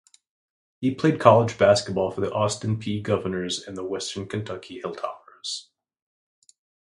He played college basketball for the Austin Peay Governors and the Western Kentucky Hilltoppers.